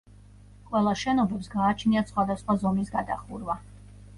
ყველა შენობებს გააჩნიათ სხვადასხვა ზომის გადახურვა.